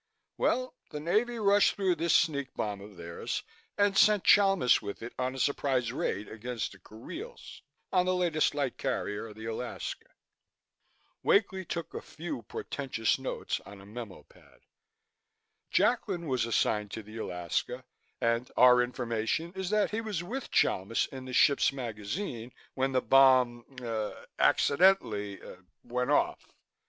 "Well, the Navy rushed through this sneak bomb of theirs and sent Chalmis with it on a surprise raid against the Kuriles, on the latest light carrier, the Alaska." Wakely took a few portentous notes on a memo pad. "Jacklin was assigned to the Alaska and our information is that he was with Chalmis in the ship's magazine when the bomb er accidentally er went off.